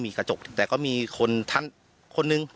ตำรวจอีกหลายคนก็หนีออกจุดเกิดเหตุทันที